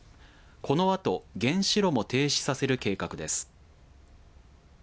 このあと原子炉も停止させる計画です。